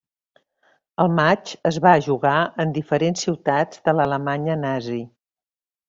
El matx es va jugar en diferents ciutats de l'Alemanya nazi.